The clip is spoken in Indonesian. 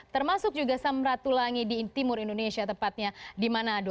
termasuk juga samratulangi di timur indonesia tepatnya di manado